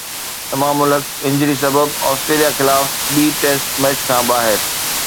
امام الحق انجری سبب آسٽريليا خلاف ٻي ٽيسٽ ميچ کان ٻاهر